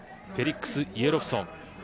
フェリックス・イエロフソン。